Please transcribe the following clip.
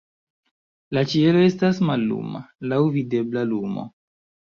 La ĉielo estas malluma, laŭ videbla lumo.